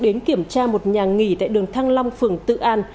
đến kiểm tra một nhà nghỉ tại đường thăng long phường tự an